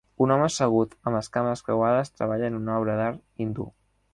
Un home assegut amb les cames creuades treballa en una obra d'art hindú.